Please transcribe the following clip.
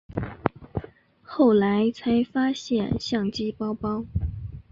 后来才发现相机包包